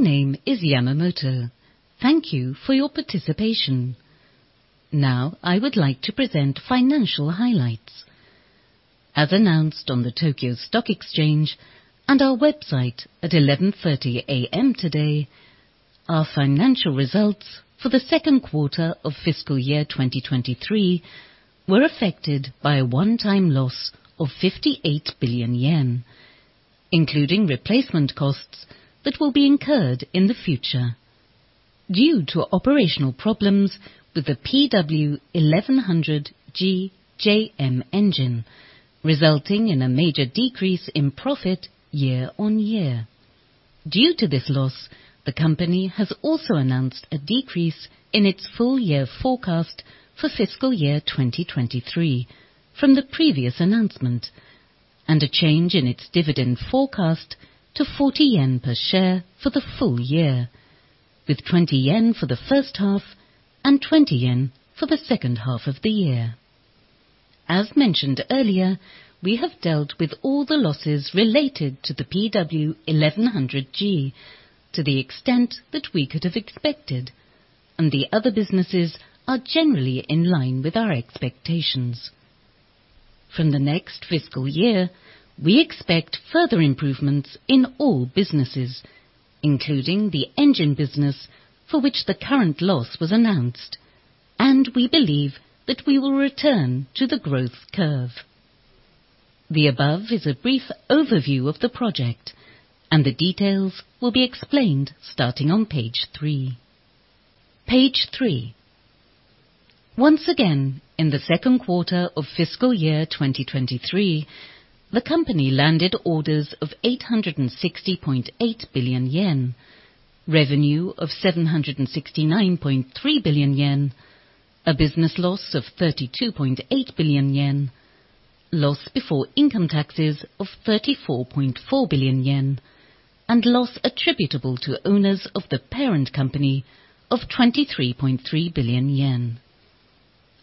My name is Yamamoto. Thank you for your participation. Now, I would like to present financial highlights. As announced on the Tokyo Stock Exchange and our website at 11:30 A.M. today, our financial results for the second quarter of fiscal year 2023 were affected by a one-time loss of 58 billion yen, including replacement costs that will be incurred in the future. Due to operational problems with the PW1100G-JM engine, resulting in a major decrease in profit year-on-year. Due to this loss, the company has also announced a decrease in its full-year forecast for fiscal year 2023 from the previous announcement, and a change in its dividend forecast to 40 yen per share for the full year, with 20 yen for the first half and 20 yen for the second half of the year. As mentioned earlier, we have dealt with all the losses related to the PW1100G to the extent that we could have expected, and the other businesses are generally in line with our expectations. From the next fiscal year, we expect further improvements in all businesses, including the engine business, for which the current loss was announced, and we believe that we will return to the growth curve. The above is a brief overview of the project, and the details will be explained starting on page three. Page three. Once again, in the second quarter of fiscal year 2023, the company landed orders of 860.8 billion yen, revenue of 769.3 billion yen, a business loss of 32.8 billion yen, loss before income taxes of 34.4 billion yen, and loss attributable to owners of the parent company of 23.3 billion yen.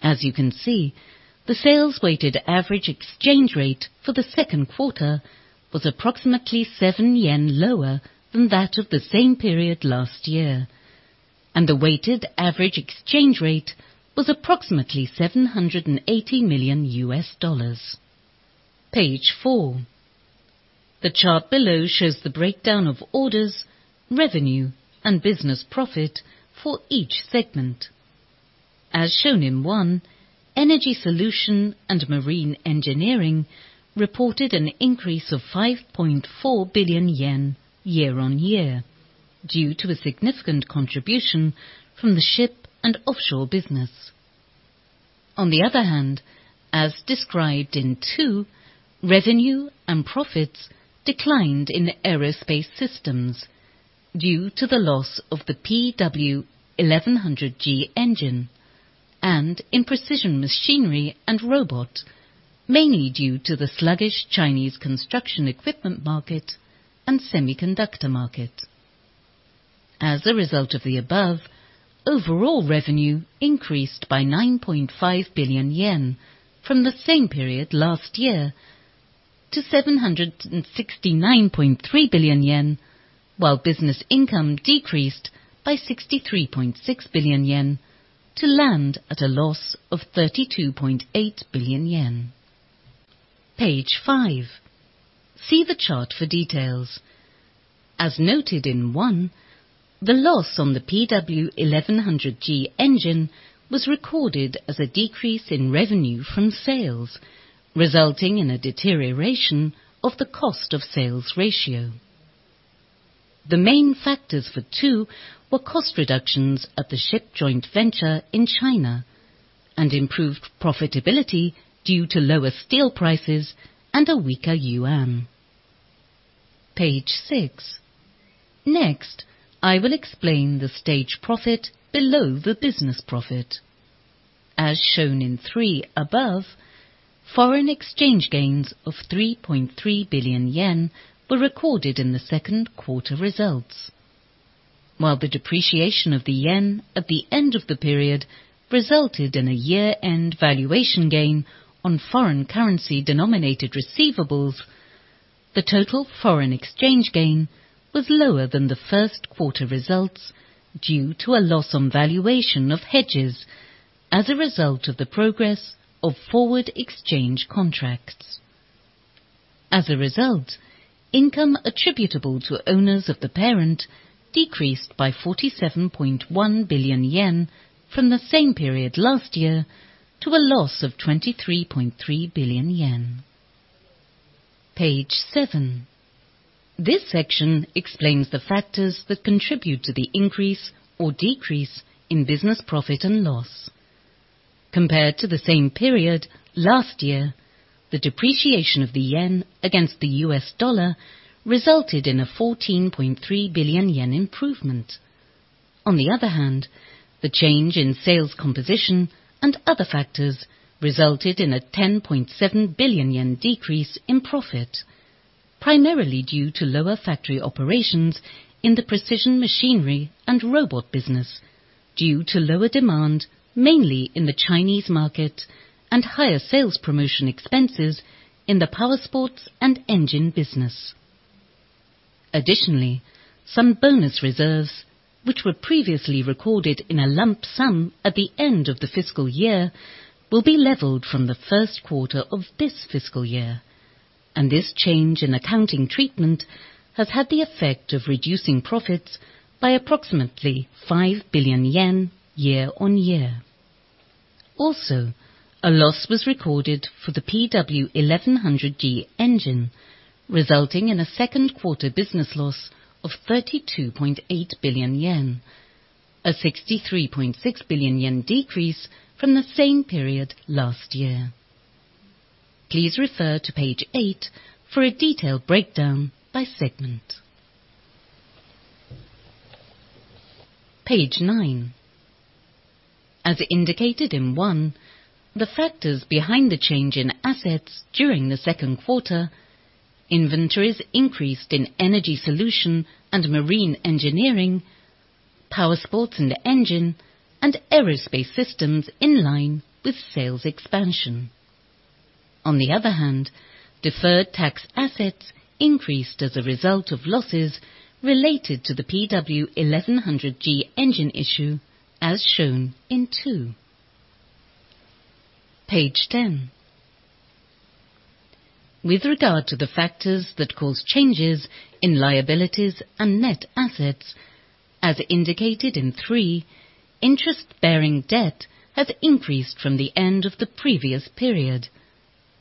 As you can see, the sales-weighted average exchange rate for the second quarter was approximately 7 yen lower than that of the same period last year, and the weighted average exchange rate was approximately $780 million. Page four. The chart below shows the breakdown of orders, revenue, and business profit for each segment. As shown in one, Energy Solution & Marine Engineering reported an increase of 5.4 billion yen year-on-year, due to a significant contribution from the ship and offshore business. On the other hand, as described in two, revenue and profits declined in Aerospace Systems due to the loss of the PW1100G engine and in Precision Machinery & Robot, mainly due to the sluggish Chinese construction equipment market and semiconductor market. As a result of the above, overall revenue increased by 9.5 billion yen from the same period last year to 769.3 billion yen, while business income decreased by 63.6 billion yen to land at a loss of 32.8 billion yen. Page five. See the chart for details. As noted in 1, the loss on the PW1100G engine was recorded as a decrease in revenue from sales, resulting in a deterioration of the cost of sales ratio. The main factors for 2 were cost reductions at the ship joint venture in China and improved profitability due to lower steel prices and a weaker yuan. Page six. Next, I will explain the stage profit below the business profit. As shown in 3 above, foreign exchange gains of 3.3 billion yen were recorded in the second quarter results. While the depreciation of the yen at the end of the period resulted in a year-end valuation gain on foreign currency-denominated receivables, the total foreign exchange gain was lower than the first quarter results due to a loss on valuation of hedges as a result of the progress of forward exchange contracts. As a result, income attributable to owners of the parent decreased by 47.1 billion yen from the same period last year to a loss of 23.3 billion yen. Page seven. This section explains the factors that contribute to the increase or decrease in business profit and loss. Compared to the same period last year, the depreciation of the yen against the U.S. dollar resulted in a 14.3 billion yen improvement. On the other hand, the change in sales composition and other factors resulted in a 10.7 billion yen decrease in profit, primarily due to lower factory operations in the Precision Machinery & Robot business due to lower demand, mainly in the Chinese market, and higher sales promotion expenses in the Powersports & Engine business. Additionally, some bonus reserves, which were previously recorded in a lump sum at the end of the fiscal year, will be leveled from the first quarter of this fiscal year, and this change in accounting treatment has had the effect of reducing profits by approximately 5 billion yen year-on-year. Also, a loss was recorded for the PW1100G engine, resulting in a second quarter business loss of 32.8 billion yen, a 63.6 billion yen decrease from the same period last year. Please refer to page eight for a detailed breakdown by segment. Page nine. As indicated in one, the factors behind the change in assets during the second quarter, inventories increased in Energy Solution & Marine Engineering, Powersports & Engine, and Aerospace Systems, in line with sales expansion. On the other hand, deferred tax assets increased as a result of losses related to the PW1100G engine issue, as shown in 2. Page 10. With regard to the factors that cause changes in liabilities and net assets, as indicated in 3, interest-bearing debt has increased from the end of the previous period,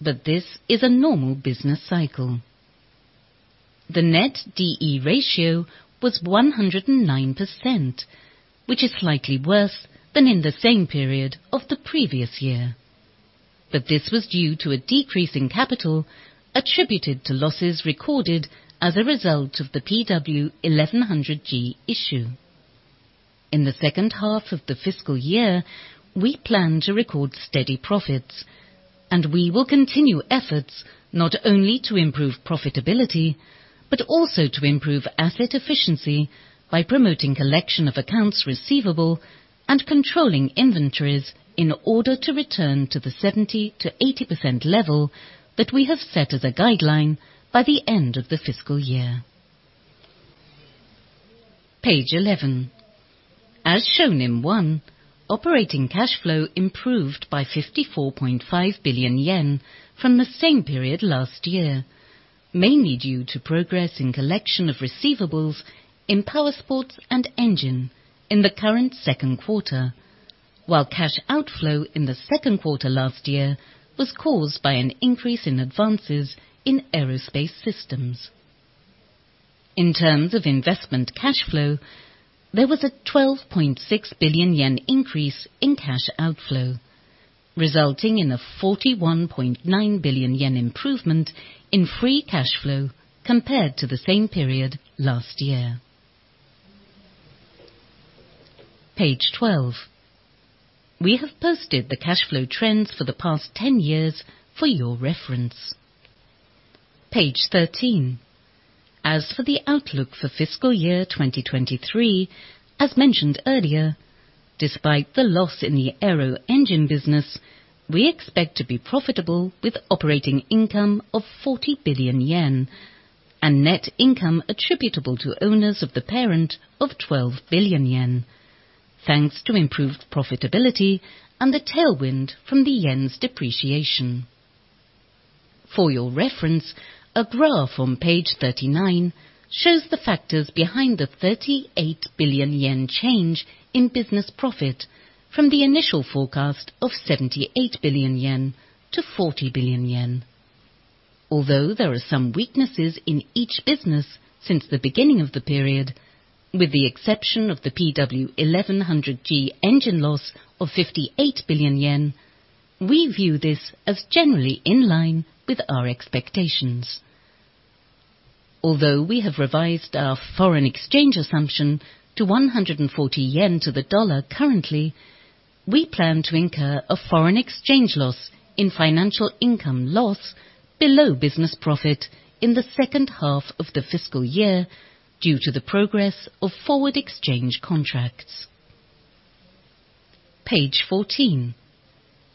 but this is a normal business cycle. The net DE ratio was 109%, which is slightly worse than in the same period of the previous year, but this was due to a decrease in capital attributed to losses recorded as a result of the PW1100G issue. In the second half of the fiscal year, we plan to record steady profits, and we will continue efforts not only to improve profitability, but also to improve asset efficiency by promoting collection of accounts receivable and controlling inventories in order to return to the 70%-80% level that we have set as a guideline by the end of the fiscal year. Page 11. As shown in 1, operating cash flow improved by 54.5 billion yen from the same period last year, mainly due to progress in collection of receivables in Powersports & Engine in the current second quarter, while cash outflow in the second quarter last year was caused by an increase in advances in Aerospace Systems. In terms of investment cash flow, there was a 12.6 billion yen increase in cash outflow, resulting in a 41.9 billion yen improvement in free cash flow compared to the same period last year. Page 12. We have posted the cash flow trends for the past 10 years for your reference. Page 13. As for the outlook for fiscal year 2023, as mentioned earlier, despite the loss in the Aero Engine business, we expect to be profitable with operating income of 40 billion yen and net income attributable to owners of the parent of 12 billion yen, thanks to improved profitability and a tailwind from the yen's depreciation. For your reference, a graph on page 39 shows the factors behind the 38 billion yen change in business profit from the initial forecast of 78 billion yen to 40 billion yen. Although there are some weaknesses in each business since the beginning of the period, with the exception of the PW1100G engine loss of 58 billion yen, we view this as generally in line with our expectations. Although we have revised our foreign exchange assumption to 140 yen to the dollar currently, we plan to incur a foreign exchange loss in financial income loss below business profit in the second half of the fiscal year due to the progress of forward exchange contracts. Page 14.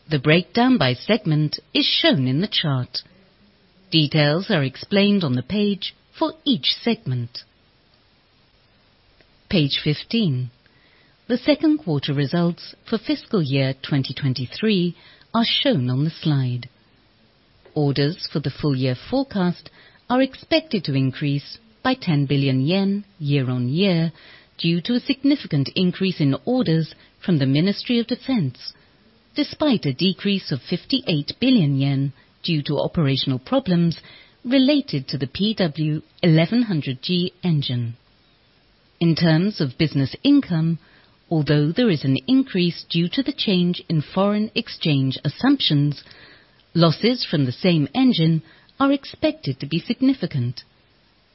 The breakdown by segment is shown in the chart. Details are explained on the page for each segment. Page 15. The second quarter results for fiscal year 2023 are shown on the slide. Orders for the full year forecast are expected to increase by 10 billion yen year-on-year, due to a significant increase in orders from the Ministry of Defense, despite a decrease of 58 billion yen due to operational problems related to the PW1100G engine. In terms of business income, although there is an increase due to the change in foreign exchange assumptions, losses from the same engine are expected to be significant,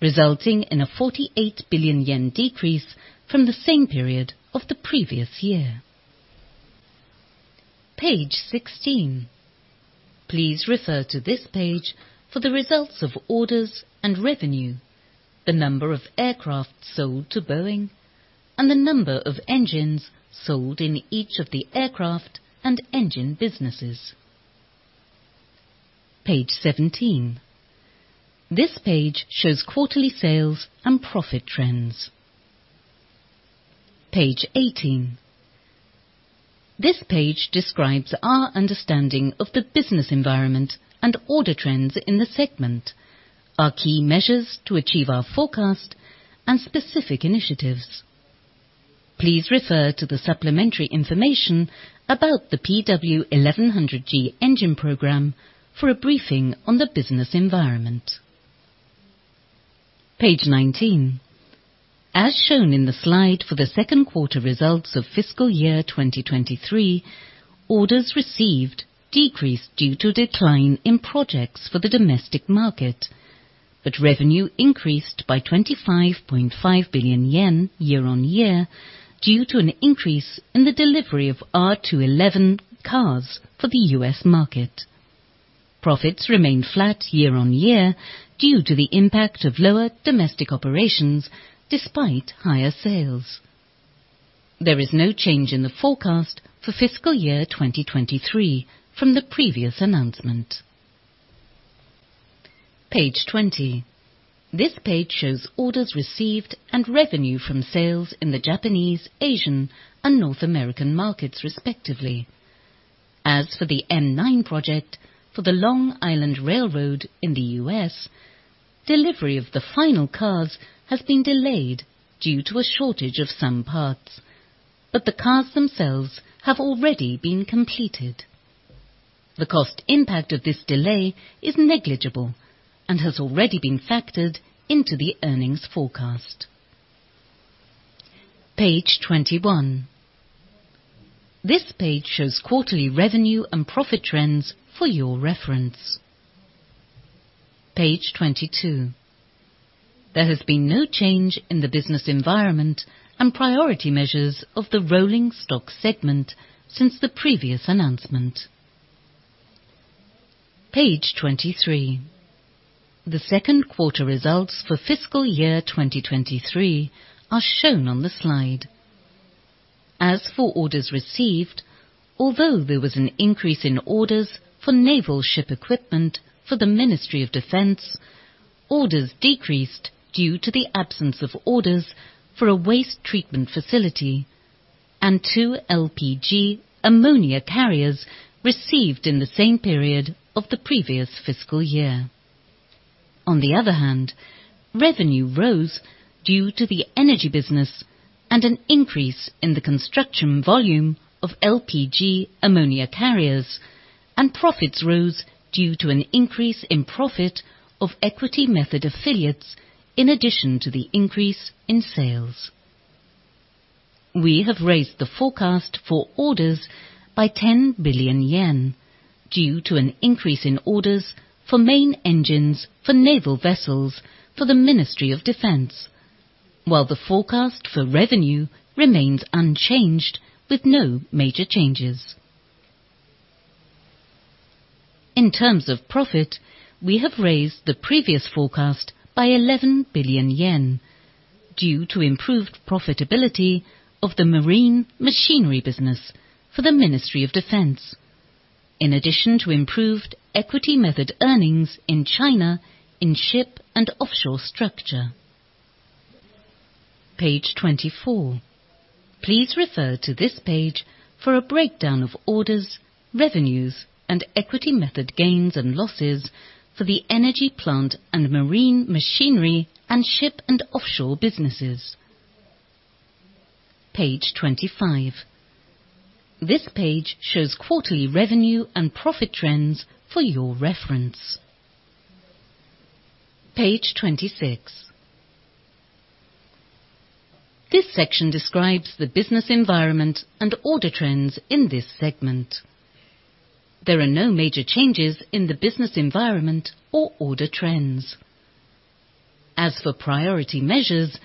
resulting in a 48 billion yen decrease from the same period of the previous year. Page sixteen. Please refer to this page for the results of orders and revenue, the number of aircraft sold to Boeing, and the number of engines sold in each of the aircraft and engine businesses. Page seventeen. This page shows quarterly sales and profit trends. Page eighteen. This page describes our understanding of the business environment and order trends in the segment, our key measures to achieve our forecast and specific initiatives. Please refer to the supplementary information about the PW1100G engine program for a briefing on the business environment. Page 19. As shown in the slide for the second quarter results of fiscal year 2023, orders received decreased due to decline in projects for the domestic market, but revenue increased by 25.5 billion yen year-on-year, due to an increase in the delivery of R211 cars for the U.S. market. Profits remained flat year-on-year due to the impact of lower domestic operations despite higher sales. There is no change in the forecast for fiscal year 2023 from the previous announcement. Page 20. This page shows orders received and revenue from sales in the Japanese, Asian, and North American markets respectively. As for the M9 project for the Long Island Rail Road in the U.S., delivery of the final cars has been delayed due to a shortage of some parts, but the cars themselves have already been completed. The cost impact of this delay is negligible and has already been factored into the earnings forecast. Page 21. This page shows quarterly revenue and profit trends for your reference. Page 22. There has been no change in the business environment and priority measures of the Rolling Stock segment since the previous announcement. Page 23. The second quarter results for fiscal year 2023 are shown on the slide. As for orders received, although there was an increase in orders for naval ship equipment for the Ministry of Defense, orders decreased due to the absence of orders for a waste treatment facility and two LPG ammonia carriers received in the same period of the previous fiscal year. On the other hand, revenue rose due to the energy business and an increase in the construction volume of LPG ammonia carriers, and profits rose due to an increase in profit of equity method affiliates in addition to the increase in sales. We have raised the forecast for orders by 10 billion yen due to an increase in orders for main engines for naval vessels for the Ministry of Defense, while the forecast for revenue remains unchanged with no major changes. In terms of profit, we have raised the previous forecast by 11 billion yen due to improved profitability of the marine machinery business for the Ministry of Defense, in addition to improved equity method earnings in China in ship and offshore structure. Page 24. Please refer to this page for a breakdown of orders, revenues, and equity method gains and losses for the energy plant and marine machinery and ship and offshore businesses. Page 25. This page shows quarterly revenue and profit trends for your reference. Page 26. This section describes the business environment and order trends in this segment. There are no major changes in the business environment or order trends. As for priority measures,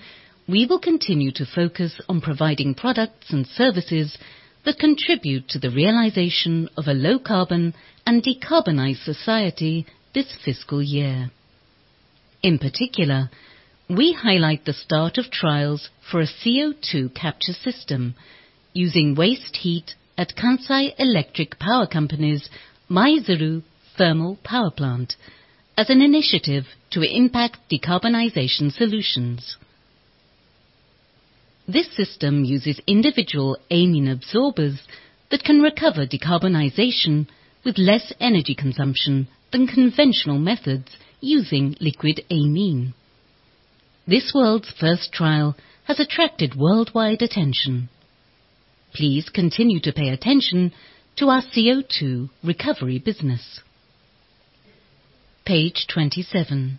we will continue to focus on providing products and services that contribute to the realization of a low carbon and decarbonized society this fiscal year. In particular, we highlight the start of trials for a CO₂ capture system using waste heat at Kansai Electric Power Company's Maizuru Thermal Power Plant as an initiative to impact decarbonization solutions. This system uses solid amine absorbers that can recover carbon dioxide with less energy consumption than conventional methods using liquid amine. This world's first trial has attracted worldwide attention. Please continue to pay attention to our CO₂ recovery business. Page 27.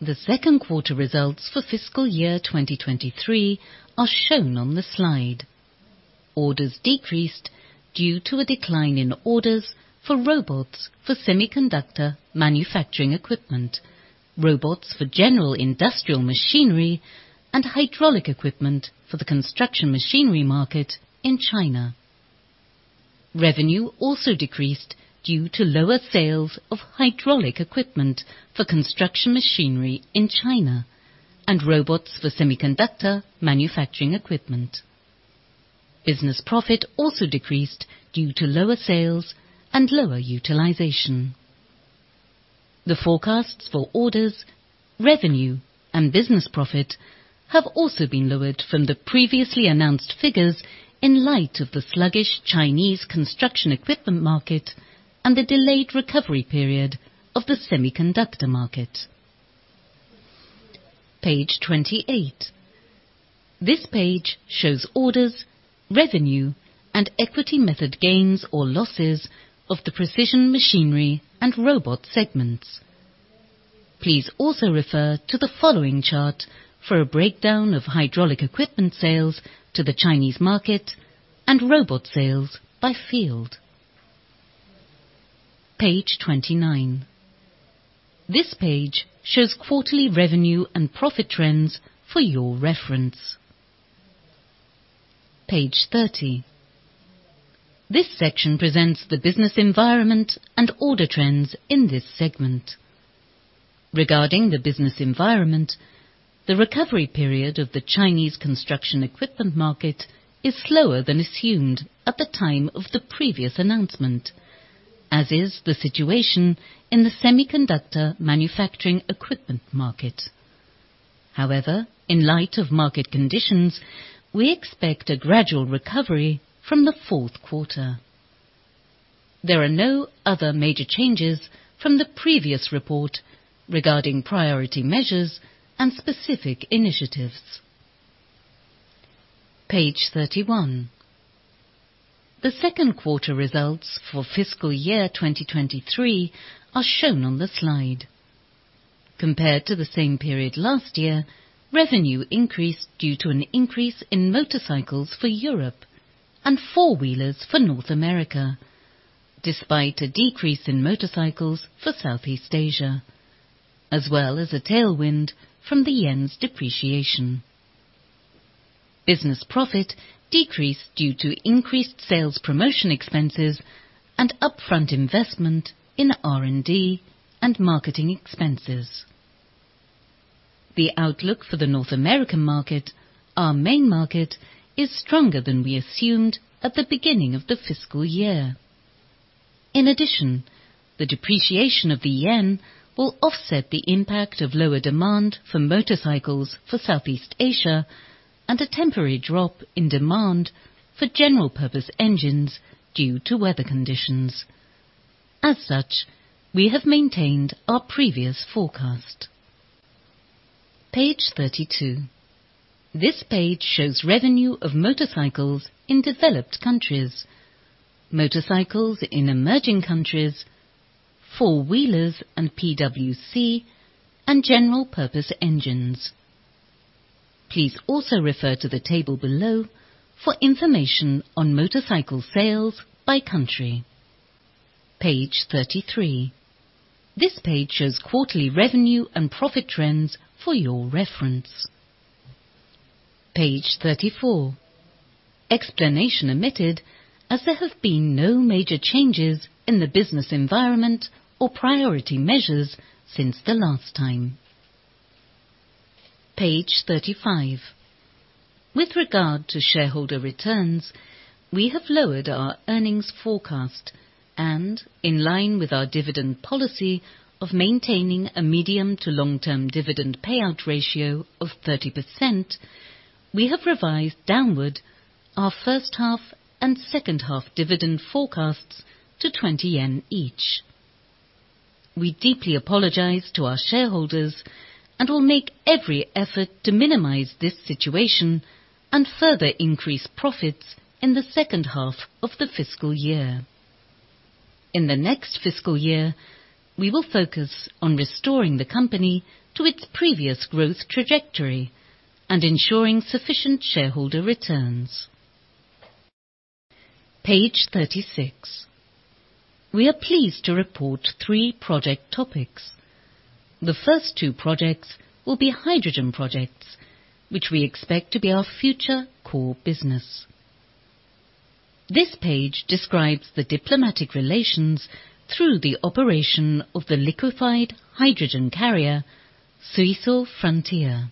The second quarter results for fiscal year 2023 are shown on the slide. Orders decreased due to a decline in orders for robots for semiconductor manufacturing equipment, robots for general industrial machinery, and hydraulic equipment for the construction machinery market in China. Revenue also decreased due to lower sales of hydraulic equipment for construction machinery in China and robots for semiconductor manufacturing equipment. Business profit also decreased due to lower sales and lower utilization. The forecasts for orders, revenue, and business profit have also been lowered from the previously announced figures in light of the sluggish Chinese construction equipment market and the delayed recovery period of the semiconductor market. Page 28. This page shows orders, revenue, and equity method gains or losses of the Precision Machinery and Robot segments. Please also refer to the following chart for a breakdown of hydraulic equipment sales to the Chinese market and robot sales by field. Page 29. This page shows quarterly revenue and profit trends for your reference. Page 30. This section presents the business environment and order trends in this segment. Regarding the business environment, the recovery period of the Chinese construction equipment market is slower than assumed at the time of the previous announcement, as is the situation in the semiconductor manufacturing equipment market. However, in light of market conditions, we expect a gradual recovery from the fourth quarter. There are no other major changes from the previous report regarding priority measures and specific initiatives. Page 31. The second quarter results for fiscal year 2023 are shown on the slide. Compared to the same period last year, revenue increased due to an increase in motorcycles for Europe and four-wheelers for North America, despite a decrease in motorcycles for Southeast Asia, as well as a tailwind from the yen's depreciation. Business profit decreased due to increased sales promotion expenses and upfront investment in R&D and marketing expenses. The outlook for the North American market, our main market, is stronger than we assumed at the beginning of the fiscal year. In addition, the depreciation of the yen will offset the impact of lower demand for motorcycles for Southeast Asia and a temporary drop in demand for general-purpose engines due to weather conditions. As such, we have maintained our previous forecast. Page 32. This page shows revenue of motorcycles in developed countries, motorcycles in emerging countries, four-wheelers and PWC, and general-purpose engines. Please also refer to the table below for information on motorcycle sales by country. Page 33. This page shows quarterly revenue and profit trends for your reference. Page 34. Explanation omitted as there have been no major changes in the business environment or priority measures since the last time. Page 35. With regard to shareholder returns, we have lowered our earnings forecast and, in line with our dividend policy of maintaining a medium to long-term dividend payout ratio of 30%, we have revised downward our first-half and second-half dividend forecasts to 20 yen each. We deeply apologize to our shareholders and will make every effort to minimize this situation and further increase profits in the second half of the fiscal year. In the next fiscal year, we will focus on restoring the company to its previous growth trajectory and ensuring sufficient shareholder returns. Page 36. We are pleased to report three project topics. The first two projects will be hydrogen projects, which we expect to be our future core business. This page describes the diplomatic relations through the operation of the liquefied hydrogen carrier, Suiso Frontier.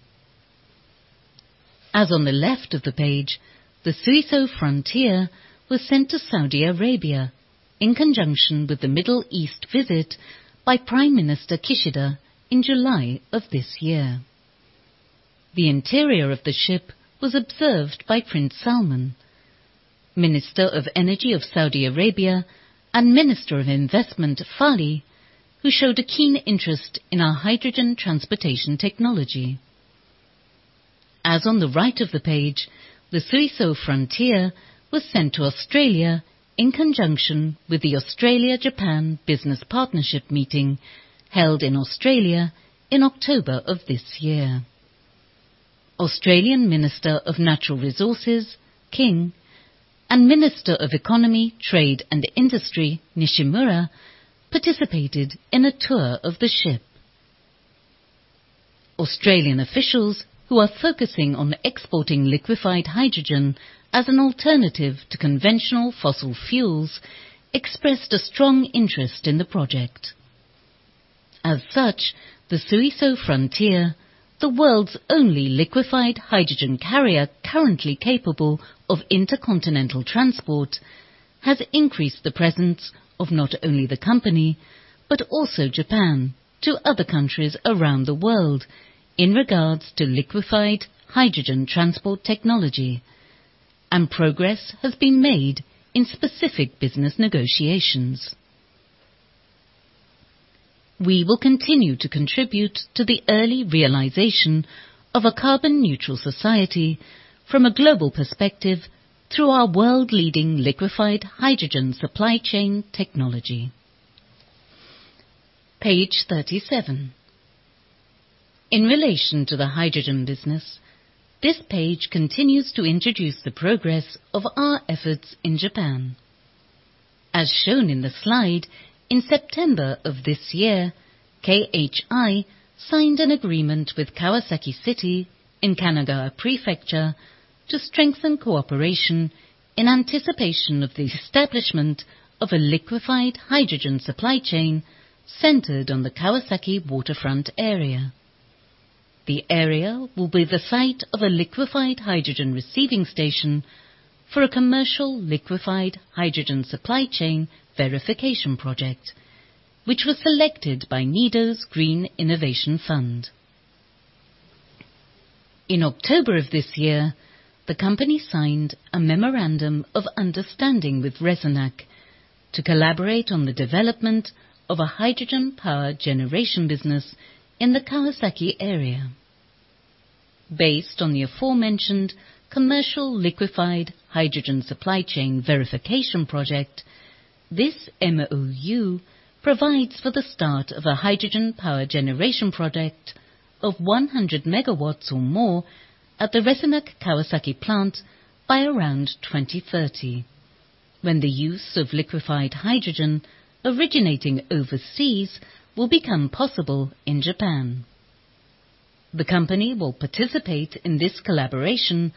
As on the left of the page, the Suiso Frontier was sent to Saudi Arabia in conjunction with the Middle East visit by Prime Minister Kishida in July of this year. The interior of the ship was observed by Prince Salman, Minister of Energy of Saudi Arabia, and Minister of Investment, Falih, who showed a keen interest in our hydrogen transportation technology. As on the right of the page, the Suiso Frontier was sent to Australia in conjunction with the Australia-Japan Business Partnership Meeting held in Australia in October of this year. Australian Minister for Resources, King, and Minister of Economy, Trade and Industry, Nishimura, participated in a tour of the ship. Australian officials, who are focusing on exporting liquefied hydrogen as an alternative to conventional fossil fuels, expressed a strong interest in the project. As such, the Suiso Frontier, the world's only liquefied hydrogen carrier currently capable of intercontinental transport, has increased the presence of not only the company, but also Japan to other countries around the world in regards to liquefied hydrogen transport technology, and progress has been made in specific business negotiations. We will continue to contribute to the early realization of a carbon-neutral society from a global perspective through our world-leading liquefied hydrogen supply chain technology. Page 37. In relation to the hydrogen business, this page continues to introduce the progress of our efforts in Japan. As shown in the slide, in September of this year, KHI signed an agreement with Kawasaki City in Kanagawa Prefecture to strengthen cooperation in anticipation of the establishment of a liquefied hydrogen supply chain centered on the Kawasaki waterfront area. The area will be the site of a liquefied hydrogen receiving station for a commercial liquefied hydrogen supply chain verification project, which was selected by NEDO's Green Innovation Fund. In October of this year, the company signed a memorandum of understanding with Resonac to collaborate on the development of a hydrogen power generation business in the Kawasaki area. Based on the aforementioned commercial liquefied hydrogen supply chain verification project, this MoU provides for the start of a hydrogen power generation project of 100 megawatts or more at the Resonac Kawasaki plant by around 2030, when the use of liquefied hydrogen originating overseas will become possible in Japan. The company will participate in this collaboration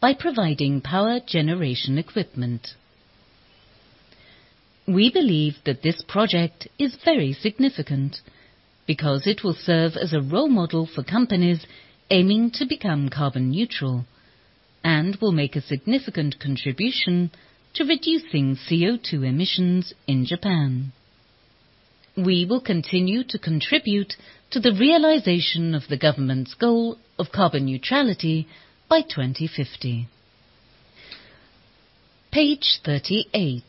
by providing power generation equipment. We believe that this project is very significant because it will serve as a role model for companies aiming to become carbon neutral and will make a significant contribution to reducing CO₂ emissions in Japan. We will continue to contribute to the realization of the government's goal of carbon neutrality by 2050. Page 38.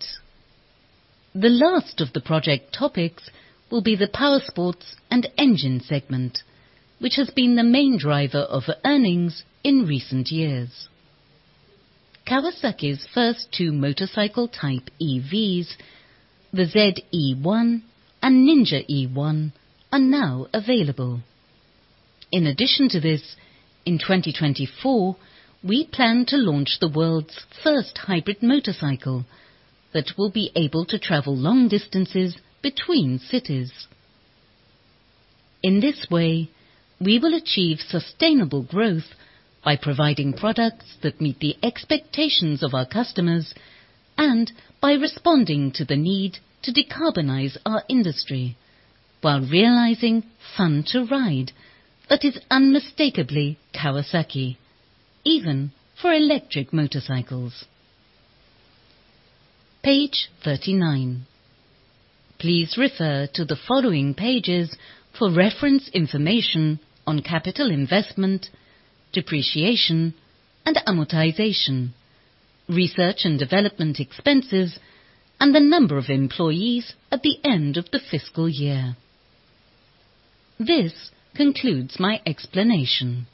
The last of the project topics will be the Powersports & Engine segment, which has been the main driver of earnings in recent years. Kawasaki's first two motorcycle-type EVs, the Z e-1 and Ninja e-1, are now available. In addition to this, in 2024, we plan to launch the world's first hybrid motorcycle that will be able to travel long distances between cities. In this way, we will achieve sustainable growth by providing products that meet the expectations of our customers and by responding to the need to decarbonize our industry while realizing fun to ride that is unmistakably Kawasaki, even for electric motorcycles. Page 39. Please refer to the following pages for reference information on capital investment, depreciation and amortization, research and development expenses, and the number of employees at the end of the fiscal year. This concludes my explanation.